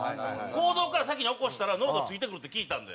行動から先に起こしたら脳がついてくるって聞いたんで。